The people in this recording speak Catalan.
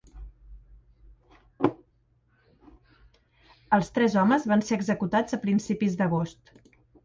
Els tres homes van ser executats a principis d'agost.